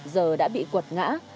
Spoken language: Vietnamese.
giờ đã bị quật ngã